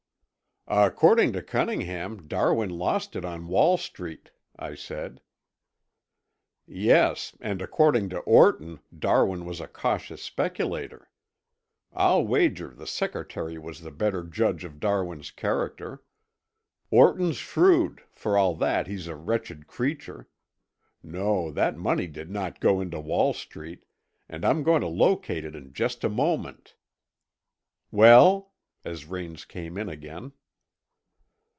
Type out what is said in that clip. "According to Cunningham, Darwin lost it on Wall Street," I said. "Yes, and according to Orton Darwin was a cautious speculator. I'll wager the secretary was the better judge of Darwin's character. Orton's shrewd for all that he's a wretched creature. No, that money did not go into Wall Street, and I'm going to locate it in just a moment. Well?" as Raines came in again.